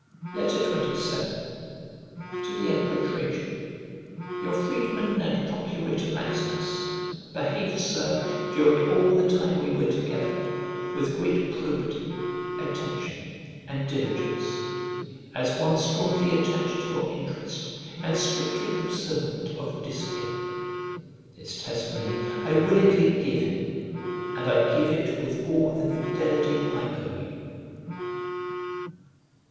XXVII To THE EMPEROR TRAJAN YOUR freedman and procurator, Maximus, behaved, Sir, during all the time we were together, with great probity, attention, and diligence; as one strongly attached to your interest, and strictly observant of discipline. This testimony I willingly give him; and I give it with all the fidelity I owe you.